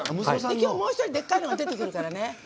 もう１人、でかいのが出てくるからね。